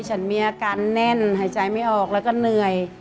ฉันมีอาการแน่นหายใจไม่ออกแล้วก็เหนื่อย